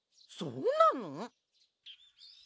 そうなの？